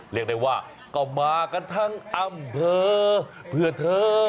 เรียกได้ว่าก็มากันทั้งอำเภอเพื่อเธอ